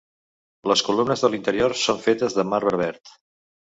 Les columnes de l'interior són fetes de marbre verd.